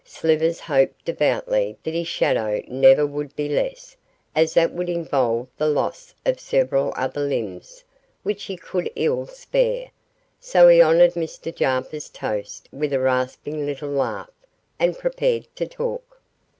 Slivers hoped devoutly that his shadow never would be less, as that would involve the loss of several other limbs, which he could ill spare; so he honoured Mr Jarper's toast with a rasping little laugh, and prepared to talk.